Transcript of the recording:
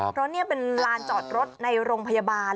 เพราะนี่เป็นลานจอดรถในโรงพยาบาล